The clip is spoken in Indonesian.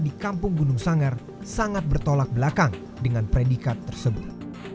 di kampung gunung sanggar sangat bertolak belakang dengan predikat tersebut